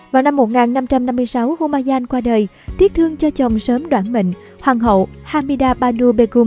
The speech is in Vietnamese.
vào năm một nghìn năm trăm năm mươi sáu humayun qua đời thiết thương cho chồng sớm đoạn mệnh hoàng hậu hamida badu begum